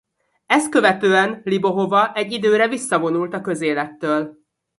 Ezt követően Libohova egy időre visszavonult a közélettől.